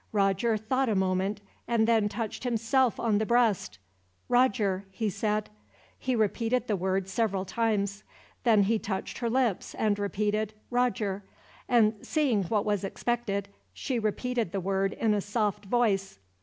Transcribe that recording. Roger thought a moment, and then touched himself on the breast. "Roger," he said. He repeated the word several times. Then he touched her lips and repeated "Roger," and, seeing what was expected, she repeated the word in a soft voice.